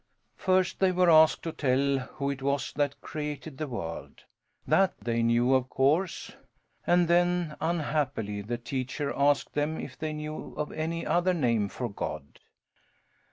First they were asked to tell who it was that created the world. That they knew of course. And then, unhappily, the teacher asked them if they knew of any other name for God.